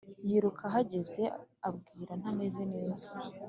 yiruka ahageze abwira ntamez neza